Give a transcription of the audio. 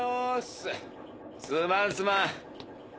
すまんすまん！